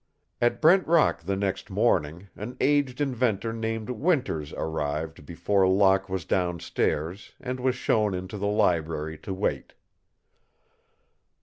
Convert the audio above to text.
At Brent Rock the next morning an aged inventor named Winters arrived before Locke was down stairs, and was shown into the library to wait.